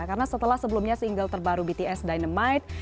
karena setelah sebelumnya single terbaru bts dynamite